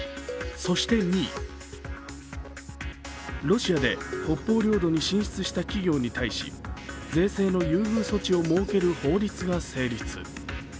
そして２位、ロシアで北方領土に進出した企業に対し税制の優遇措置を設ける法律が成立。